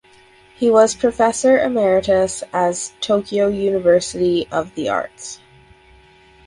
He was Professor Emeritus as Tokyo University of the Arts.